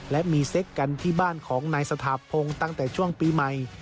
และมีเซ็กกันที่บ้านของนายสถาพงศ์ตั้งแต่ช่วงปีใหม่